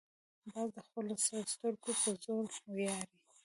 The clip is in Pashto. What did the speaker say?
باز د خپلو سترګو پر زور ویاړي